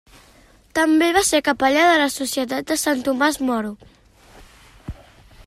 També va ser capellà de la Societat de Sant Tomàs Moro.